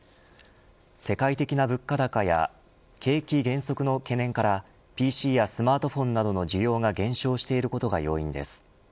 世界的な物価高や景気減速の懸念からＰＣやスマートフォンなどの需要が減少していることが要因です。